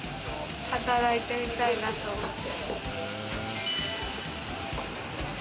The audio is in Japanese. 働いてみたいなと思って。